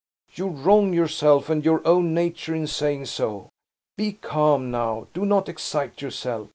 You wrong yourself and your own nature in saying so. Be calm, now; do not excite yourself.